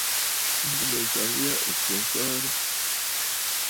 M̀bùmânsaŋ yâ ɨ̀ kwo mfəərə.